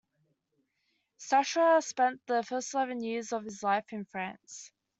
Stachura spent the first eleven years of his life in France.